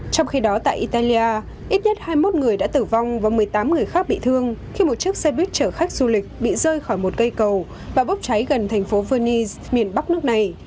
trong khi đó tại italia ít nhất hai mươi một người đã tử vong và một mươi tám người khác bị thương khi một chiếc xe buýt chở khách du lịch bị rơi khỏi một cây cầu và bốc cháy gần thành phố venice miền bắc nước này